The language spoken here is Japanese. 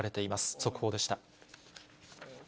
速報でした。